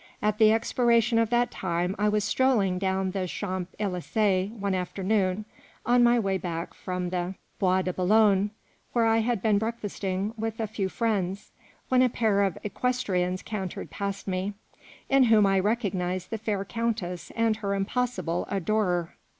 At the expiration of that time I was strolling down the Champs Elysees one afternoon, on my way back from the Bois de Boulogne, where I had been breakfasting with a few friends, when a pair of equestrians cantered past me, in whom I recognized the fair Countess and her impossible adorer.